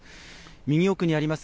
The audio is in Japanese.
右奥にあります